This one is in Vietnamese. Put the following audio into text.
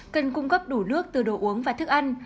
cần cung cấp đủ nước từ đồ uống và thức ăn